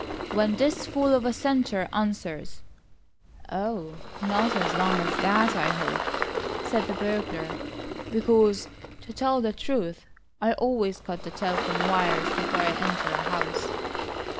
"When this fool of a Central answers." "Oh, not as long as that, I hope," said the burglar, "because, to tell the truth, I always cut the telephone wires before I enter a house."